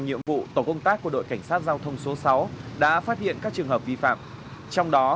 nhiệm vụ tổ công tác của đội cảnh sát giao thông số sáu đã phát hiện các trường hợp vi phạm trong đó